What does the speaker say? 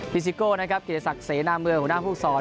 ฟิซิโกเกียรติศักดิ์เสน่ห์เมืองหัวหน้าภูกษร